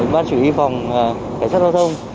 bác chủ y phòng cảnh sát lao thông